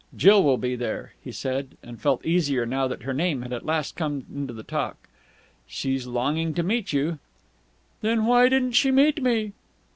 "Jill will be there," he said, and felt easier now that her name had at last come into the talk. "She's longing to meet you." "Then why didn't she meet me?"